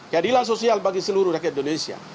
keadilan sosial bagi seluruh rakyat indonesia